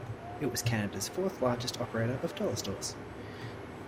It was Canada's fourth largest operator of dollar stores.